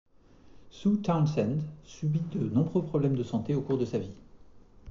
Sue Townsend subit de nombreux problèmes de santé au cours de sa vie.